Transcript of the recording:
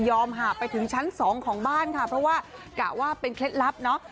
หาบไปถึงชั้นสองของบ้านค่ะเพราะว่ากะว่าเป็นเคล็ดลับเนาะ